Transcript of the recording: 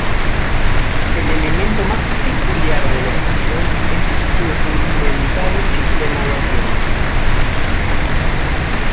El elemento más peculiar de la estación es su rudimentario sistema de asiento.